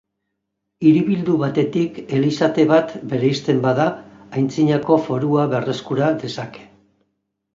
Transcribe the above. Hiribildu batetik elizate bat bereizten bada antzinako forua berreskura dezake.